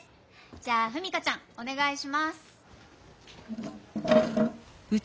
じゃあ史佳ちゃんおねがいします。